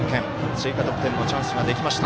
追加得点のチャンスができました。